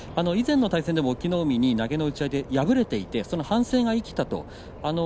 以前の対戦でも隠岐の海に投げの打ち合いで敗れていてその反省が生きたと。